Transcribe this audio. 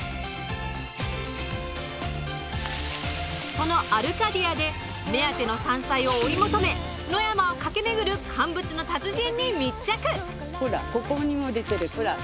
そのアルカディアで目当ての山菜を追い求め野山を駆け巡る乾物の達人に密着。